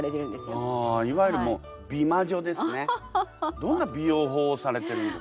どんな美容法をされてるんですか？